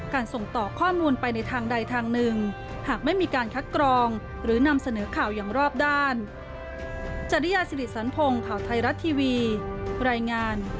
การส่งต่อข้อมูลไปในทางใดทางหนึ่ง